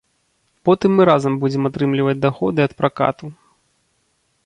Потым мы разам будзем атрымліваць даходы ад пракату.